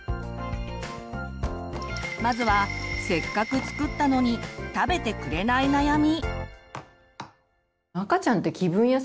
まずはせっかく作ったのに食べてくれない悩み。